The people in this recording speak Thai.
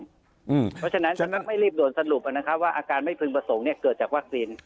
เพราะฉะนั้นฉะนั้นไม่รีบด่วนสรุปว่าอาการไม่พึงประสงค์เกิดจากวัคซีน